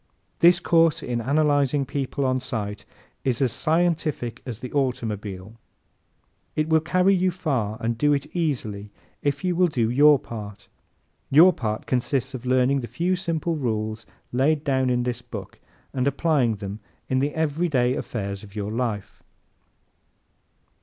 This course in Analyzing People on Sight is as scientific as the automobile. It will carry you far and do it easily if you will do your part. Your part consists of learning the few simple rules laid down in this book and in applying them in the everyday affairs of your life.